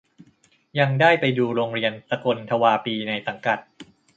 ยังได้ไปดูโรงเรียนสกลทวาปีในสังกัด